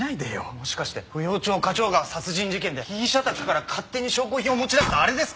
もしかして芙蓉町花鳥川殺人事件で被疑者宅から勝手に証拠品を持ち出したあれですか？